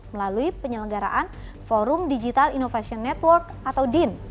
melalui penyelenggaraan forum digital innovation network atau din